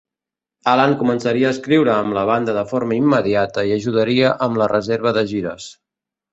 Allen començaria a escriure amb la banda de forma immediata i ajudaria amb la reserva de gires.